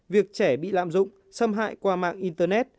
việc trẻ bị lạm dụng xâm hại qua mạng internet